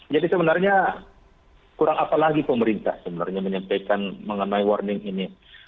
jadi sebenarnya kurang apa lagi pemerintah sebenarnya menyampaikan mengenai warning ini